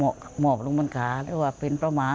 มาบรุบรุบรุบขาว่าเป็นพระหมา